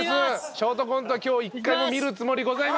ショートコントは今日１回も見るつもりございません！